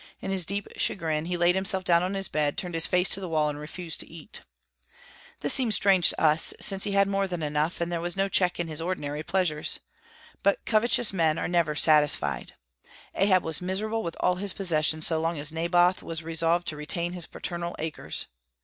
In his deep chagrin he laid himself down on his bed, turned his face to the wall, and refused to eat. This seems strange to us, since he had more than enough, and there was no check on his ordinary pleasures. But covetous men never are satisfied. Ahab was miserable with all his possessions so long as Naboth was resolved to retain his paternal acres.